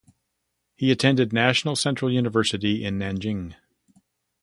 He attended National Central University in Nanjing.